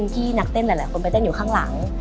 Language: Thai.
ที่นักเต้นหลายคนไปเต้นอยู่ข้างหลัง